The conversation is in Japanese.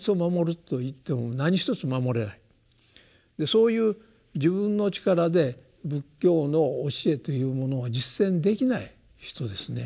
そういう自分の力で仏教の教えというものを実践できない人ですね。